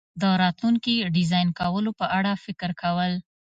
د راتلونکي ډیزاین کولو په اړه فکر کول